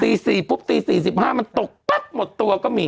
ตี๔ปุ๊บตี๔๕มันตกปั๊บหมดตัวก็มี